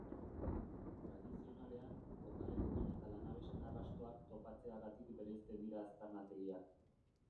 Tradizionalean, kokalekuen eta lanabesen arrastoak topatzeagatik bereizten dira aztarnategiak.